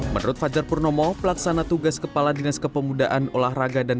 menurut fajar purnomo pelaksana tugas kepala dinas kepemudaan olahraga dan